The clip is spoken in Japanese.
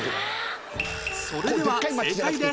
それでは正解です